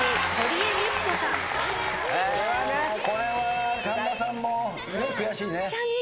これは神田さんも悔しいね。